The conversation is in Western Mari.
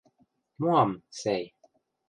Моам, сӓй...